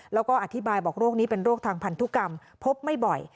แล้วก็อธิบายบอกโรคนี้เป็นโรคทางพันธุกรรมพบไม่บ่อย